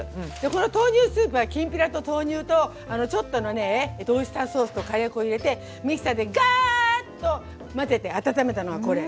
この豆乳スープはきんぴらと豆乳とちょっとのねオイスターソースとカレー粉入れてミキサーでガーッと混ぜて温めたのがこれ。